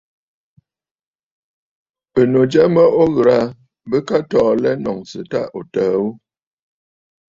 Ɨ̀nnu jya mə o ghɨrə̀ aa, bɨka tɔɔ alɛ ɨ nɔ̀ŋsə tâ ò təə ghu.